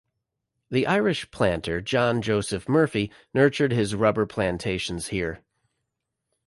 The Irish planter, John Joseph Murphy nurtured his rubber plantations here.